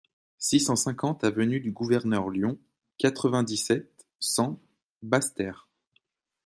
six cent cinquante avenue du Gouverneur Lyon, quatre-vingt-dix-sept, cent, Basse-Terre